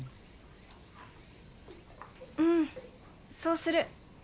うんそうする。